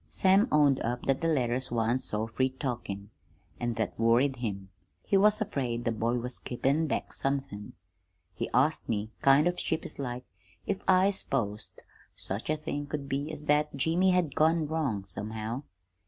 Sam owned up that the letters wan't so free talkin'; an' that worried him. He was afraid the boy was keepin' back somethin'. He asked me, kind of sheepish like, if I s'posed such a thing could be as that Jimmy had gone wrong, somehow.